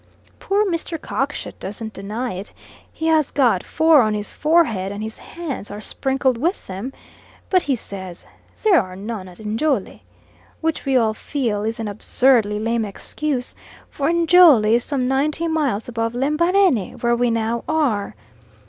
Poor Mr. Cockshut doesn't deny it; he has got four on his forehead and his hands are sprinkled with them, but he says: "There are none at Njole," which we all feel is an absurdly lame excuse, for Njole is some ninety miles above Lembarene, where we now are.